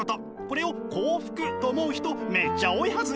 これを幸福と思う人めっちゃ多いはず！